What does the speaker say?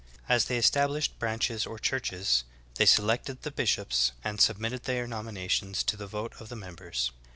As they estabHshed branches or churches, they selected the bishops, and submitted their nominations to the vote of the members.